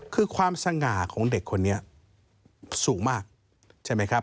คือความสง่าของเด็กคนนี้สูงมากใช่ไหมครับ